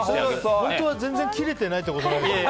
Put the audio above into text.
本当は全然切れてないってことは？